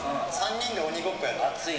３人で鬼ごっこやんない？